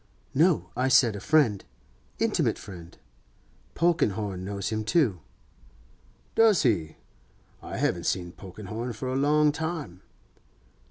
'No, I said a friend—intimate friend. Polkenhorne knows him too.' 'Does he? I haven't seen Polkenhorne for a long time.